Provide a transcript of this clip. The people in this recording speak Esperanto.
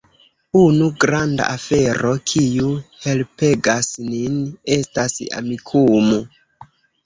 Unu granda afero, kiu helpegas nin, estas Amikumu.